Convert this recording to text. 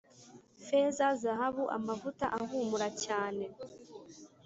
feza, zahabu, amavuta ahumura cyane,